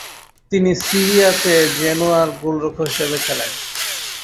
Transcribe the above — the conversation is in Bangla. তিনি সিরি আ-তে জেনোয়া-র গোলরক্ষক হিসেবে খেলেন।